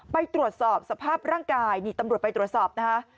ไปตรวจสอบสภาพร่างกายนี่ตำรวจไปตรวจสอบนะคะ